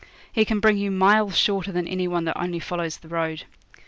He can bring you miles shorter than any one that only follows the road.